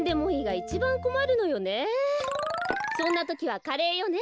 そんなときはカレーよね。